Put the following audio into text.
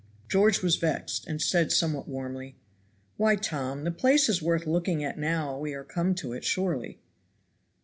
George was vexed, and said somewhat warmly, "Why, Tom, the place is worth looking at now we are come to it, surely."